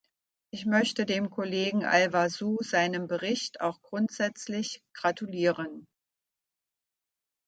Ich möchte dem Kollegen Alvazu seinem Bericht auch grundsätzlich gratulieren.